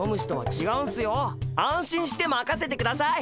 安心してまかせてください。